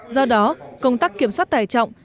do đó công tác kiểm soát tải trọng